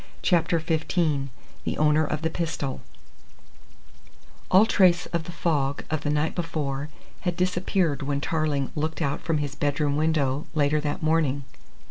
CHAPTER XV THE OWNER OF THE PISTOL All trace of the fog of the night before had disappeared when Tarling looked out from his bedroom window later that morning.